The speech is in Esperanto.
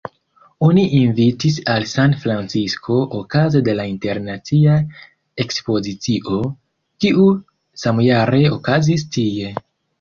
Oni invitis al San-Francisko okaze de la Internacia ekspozicio, kiu samjare okazis tie.